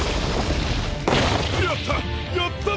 やった！